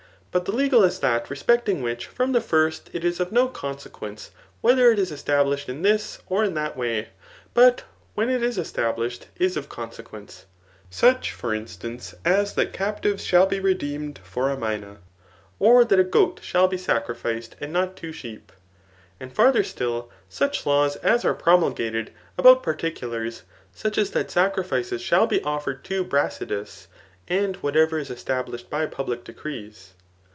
But the legal is that respecting which from the first it is of no conse^ quence, whether it is established in this or in that way, but when it is established, is of consequence} such, for instance, as that captives shall be redeemed for a mina ;' or that a goat shall be sacrificed, and not two sheep.^ And far* ther still, such laws as are promulgated about particu lars ; such as that sacrifices shall be offered to Bcasidas,' and whatever is established by public decrees.